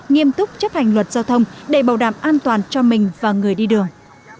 nghiêm túc chấp hành luật giao thông để bảo đảm an toàn cho mình và người đi đường